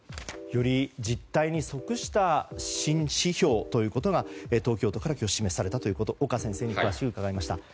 より実態に即した新指標ということが東京都から今日示されたということを岡先生に詳しく伺いました。